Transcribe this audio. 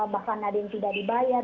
bahkan ada yang tidak dibayar